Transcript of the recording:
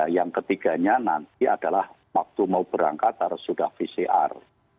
yang ketiganya nanti adalah waktu mau berangkat harus sudah pcr